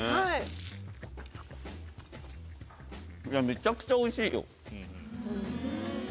めちゃくちゃおいしいよ。